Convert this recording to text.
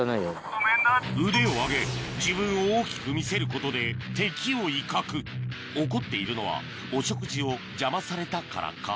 腕を上げ自分を大きく見せることで敵を威嚇怒っているのはお食事を邪魔されたからか？